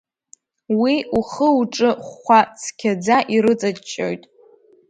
Уи ухы-уҿы хәхәа цқьаӡа ирыҵаҷҷоит!